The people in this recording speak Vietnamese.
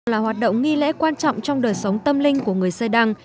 là hoạt động nghi lễ quan trọng trong đời sống tâm linh của người xê đăng